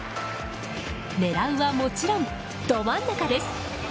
狙うは、もちろんど真ん中です。